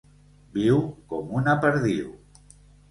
Viu com una perdiu.